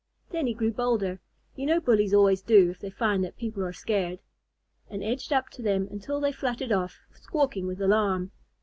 Then he grew bolder (you know bullies always do if they find that people are scared), and edged up to them until they fluttered off, squawking with alarm.